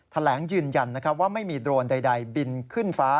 แถลงยืนยันว่าไม่มีโดรนใดบินขึ้นฟ้า